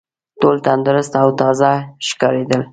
ټول تندرست او تازه ښکارېدل.